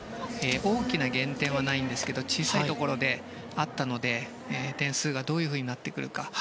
大きな減点はないんですけど小さいところではあったので点数がどういうふうになってくるか。